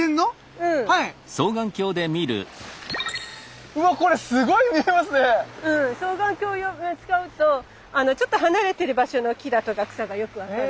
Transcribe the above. うん双眼鏡使うとちょっと離れてる場所の木だとか草がよく分かる。